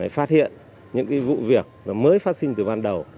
phát hiện những vụ việc mới phát sinh từ ban đầu